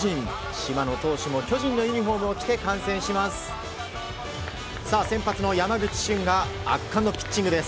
島野投手も巨人のユニホームを着て観戦します。